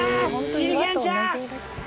シリケンちゃん！